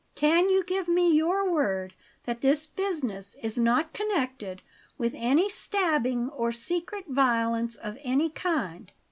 Can you give me your word that this business is not connected with any stabbing or secret violence of any kind?"